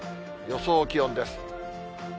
予想気温です。